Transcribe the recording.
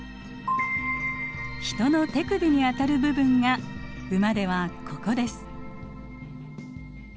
ヒトの手首にあたる部分がウマではここです。